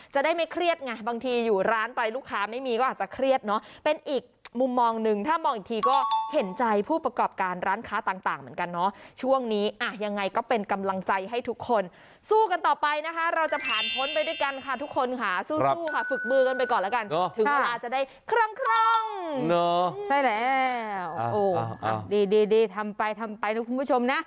จะได้ไม่เครียดไงบางทีอยู่ร้านไปลูกค้าไม่มีก็อาจจะเครียดเนอะเป็นอีกมุมมองหนึ่งถ้ามองอีกทีก็เห็นใจผู้ประกอบการร้านค้าต่างเหมือนกันเนาะช่วงนี้อ่ะยังไงก็เป็นกำลังใจให้ทุกคนสู้กันต่อไปนะคะเราจะผ่านพ้นไปด้วยกันค่ะทุกคนค่ะสู้ค่ะฝึกมือกันไปก่อนแล้วกันถึงเวลาจะได้ครึ่งใช่แล้วดีดีทำไปทำไปนะคุณผู้ชมนะ